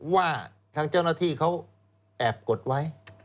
ว่าทางเจ้าหน้าที่เขาแอบกดไว้